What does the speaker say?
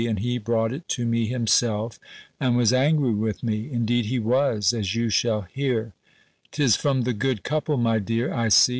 and he brought it to me himself, and was angry with me: indeed he was, as you shall hear: "'Tis from the good couple, my dear, I see.